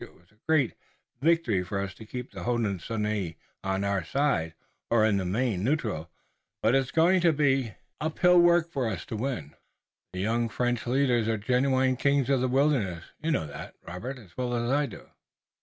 It was a great victory for us to keep the Hodenosaunee on our side, or, in the main, neutral, but it's going to be uphill work for us to win. The young French leaders are genuine kings of the wilderness. You know that, Robert, as well as I do."